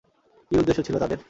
কী উদ্দেশ্য ছিল তাদের?